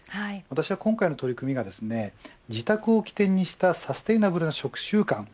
私は今回の取り組みが自宅を起点にしたサステイナブルな食習慣